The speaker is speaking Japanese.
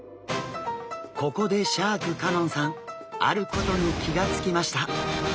ここでシャーク香音さんあることに気が付きました。